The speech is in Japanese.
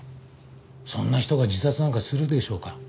そんな人が自殺なんかするでしょうか？